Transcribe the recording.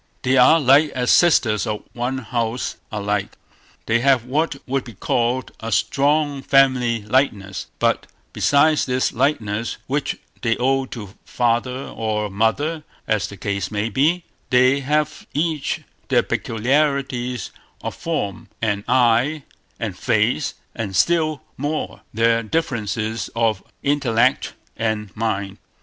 They are like as sisters of one house are like. They have what would be called a strong family likeness; but besides this likeness, which they owe to father or mother, as the case may be, they have each their peculiarities of form, and eye, and face, and still more, their differences of intellect and mind.